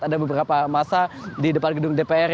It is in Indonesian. ada beberapa masa di depan gedung dpr